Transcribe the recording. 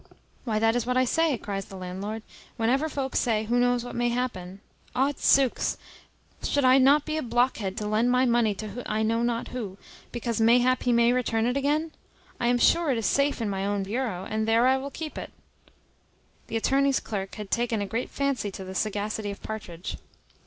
"Why, that is what I say," cries the landlord, "whenever folks say who knows what may happen! Odsooks! should not I be a blockhead to lend my money to I know not who, because mayhap he may return it again? I am sure it is safe in my own bureau, and there I will keep it." The attorney's clerk had taken a great fancy to the sagacity of Partridge.